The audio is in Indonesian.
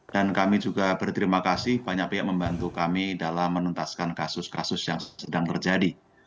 dan kami juga berterima kasih banyak yang membantu kami dalam menuntaskan kasus kasus yang sedang terjadi